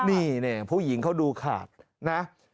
นี่ผู้หญิงเขาดูขาดนะ